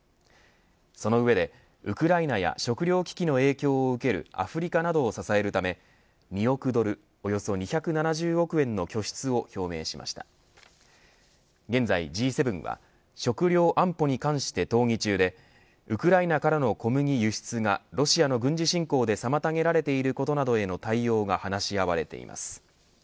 その上で、ウクライナや食料危機の影響を受けるアフリカなどを支えるため２億ドル、およそ２７０億円の拠出を表明しました現在Ｇ７は食料安保に関して討議中でウクライナからの小麦輸出がロシアの軍事侵攻で妨げられていることなどへの対応が話し合われています。